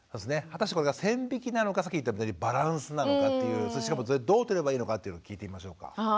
果たしてこれが線引きなのかさっき言ったバランスなのかっていうしかもそれどうとればいいのかっていうのを聞いてみましょうか。